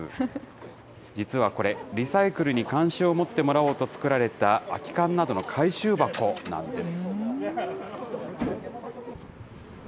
実はこれ、リサイクルに関心を持ってもらおうと作られた空き缶などの回収箱なんです。